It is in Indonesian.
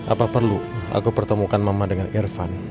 apa perlu aku pertemukan mama dengan irfan